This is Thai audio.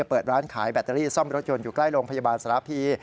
เปิดร้านขายแบตเตอรี่ซ่อมรถยนต์อยู่ใกล้โรงพยาบาลสารพี